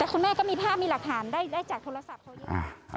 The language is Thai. คุณแม่ก็มีภาพมีหลักฐานได้จากโทรศัพท์เขาอยู่